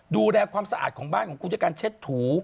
ดูแลความสะอาดของบ้านของคุณด้วยการเช็ดถู